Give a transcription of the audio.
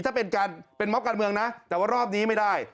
ถ้าเป็นมอบการเมืองนะแต่ว่ารอบนี้ไม่ได้